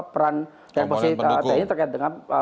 peran tni terkait dengan